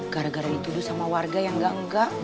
gara gara dituduh sama warga yang enggak enggak